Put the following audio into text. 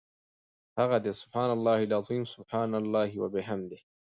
هغه دي سُبْحَانَ اللَّهِ العَظِيمِ، سُبْحَانَ اللَّهِ وَبِحَمْدِهِ .